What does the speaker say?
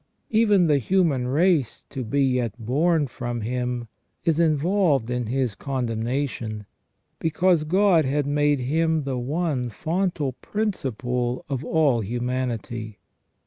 Even the human race to be yet born from him is involved in his condemnation, because God had made him the one fontal principle of all humanity.